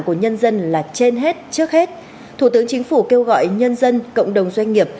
của nhân dân là trên hết trước hết thủ tướng chính phủ kêu gọi nhân dân cộng đồng doanh nghiệp